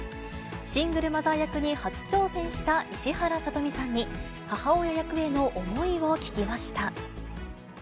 シングルマザー役に初挑戦した石原さとみさんに、母親役への思いを聞きました。